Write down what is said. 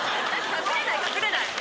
隠れない隠れない。